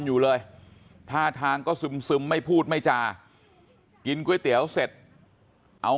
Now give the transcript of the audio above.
อยู่เลยท่าทางก็ซึมไม่พูดไม่จากินก๋วยเตี๋ยวเสร็จเอา